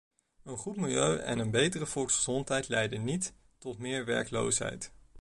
Een goed milieu en een betere volksgezondheid leiden niet tot meer werkloosheid.